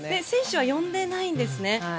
選手は呼んでないんですね。